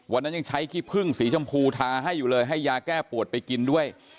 ยังใช้ขี้พึ่งสีชมพูทาให้อยู่เลยให้ยาแก้ปวดไปกินด้วย